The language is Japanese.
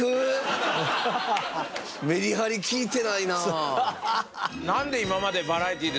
メリハリ効いてないな